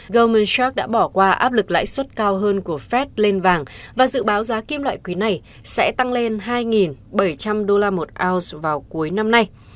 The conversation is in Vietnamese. gominstec đã bỏ qua áp lực lãi suất cao hơn của fed lên vàng và dự báo giá kim loại quý này sẽ tăng lên hai bảy trăm linh đô la một ounce vào cuối năm nay